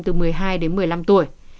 trẻ em từ một mươi hai một mươi năm tuổi